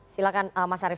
silahkan mas arief